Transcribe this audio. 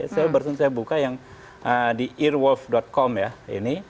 saya barusan saya buka yang di earwolf com ya ini